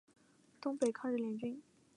东北抗日联军。